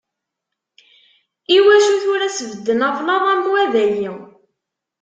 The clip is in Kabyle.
Iwacu tura sbedden ablaḍ am wa dayi?